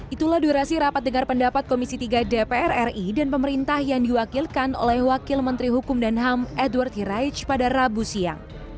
itulah durasi rapat dengar pendapat komisi tiga dpr ri dan pemerintah yang diwakilkan oleh wakil menteri hukum dan ham edward hiraij pada rabu siang